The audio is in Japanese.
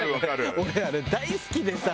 俺あれ大好きでさ。